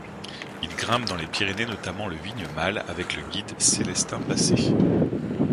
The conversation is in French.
Il grimpe dans les Pyrénées, notamment le Vignemale avec le guide Célestin Passet.